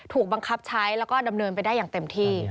ถูกบังคับใช้แล้วก็ดำเนินไปได้อย่างเต็มที่